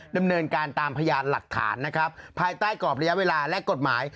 ดำเนินการตามพยานหลักฐานนะครับภายใต้กรอบระยะเวลาและกฎหมาย